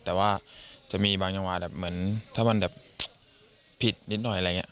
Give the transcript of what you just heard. แต่ว่าจะมีบางจังหวะแบบเหมือนถ้ามันแบบผิดนิดหน่อยอะไรอย่างนี้